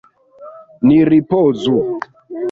Ni ripozu!